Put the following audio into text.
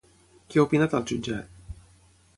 Què ha opinat al jutjat?